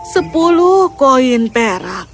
sepuluh koin perak